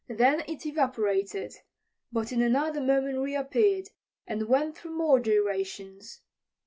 Then it evaporated, but in another moment reappeared and went through more gyrations.